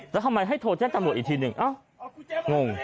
แล้วทำไมให้โทรแจ้งตำรวจอีกทีหนึ่งอ้าวงง